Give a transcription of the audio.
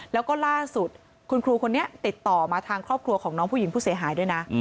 แล้วก็ล่าสุดคุณครูคนนี้ติดต่อมาทางครอบครัวของน้องผู้หญิงผู้เสียหายด้วยนะ